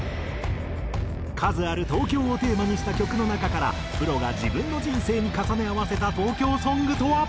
数ある「東京」をテーマにした曲の中からプロが自分の人生に重ね合わせた「東京」ソングとは？